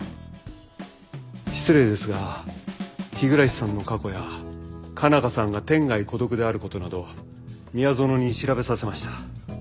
失礼ですが日暮さんの過去や佳奈花さんが天涯孤独であることなど宮園に調べさせました。